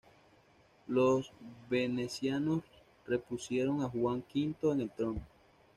Los venecianos repusieron a Juan V en el trono.